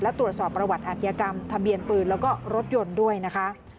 และตรวจสอบประวัติอัธยกรรมทะเบียนปืนแล้วก็รถยนต์ด้วยนะคะ